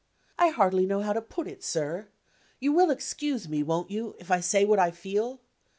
"I hardly know how to put it, sir. You will excuse me (won't you?) if I say what I feel.